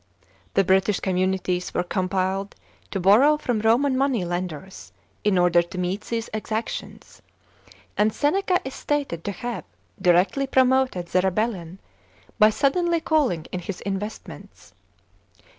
The British communities weie com p lied to borrow from Koraan money lenders in order to meet these exactions; and S< neca is stated to have directly promoted the rebellion by suddenly calling in his investments.